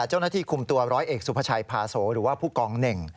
เจ้าหน้าที่คุมตัวร้อยเอกสุภาชัยพาโสหรือว่าผู้กองเน่ง